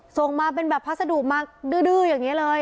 ส่งมาเป็นแบบพัสดุมาดื้ออย่างนี้เลย